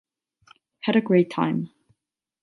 Had a great time.